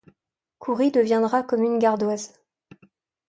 Courry deviendra commune gardoise.